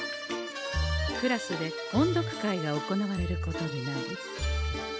クラスで音読会が行われることになり。